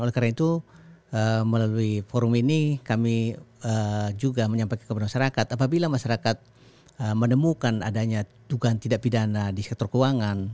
oleh karena itu melalui forum ini kami juga menyampaikan kepada masyarakat apabila masyarakat menemukan adanya dugaan tidak pidana di sektor keuangan